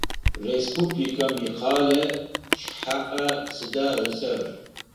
Республикэм икъэлэ шъхьаӏэ сыда ыцӏэр?